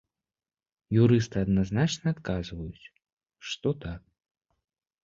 Юрысты адназначна адказваюць, што так.